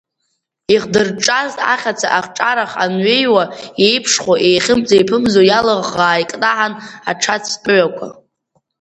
Ихдырҿҿаз ахьаца ахҿарах анҩеиуа еиԥшхо еихьымӡа-еиԥымӡо, иалыӷӷаа икнаҳан аҽацә тәыҩақәа.